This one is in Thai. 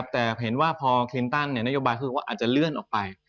แต่เห็นว่าพอคลินตันนโยบายคือว่าอาจจะเลื่อนออกไป